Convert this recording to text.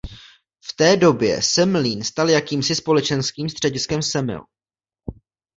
V té době se mlýn stal jakýmsi společenským střediskem Semil.